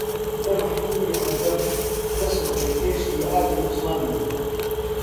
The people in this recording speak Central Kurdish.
نە مەحکوومی عەجەم نە سوخرەکێشی ئالی عوسمان بوو